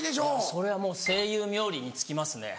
それはもう声優冥利に尽きますね。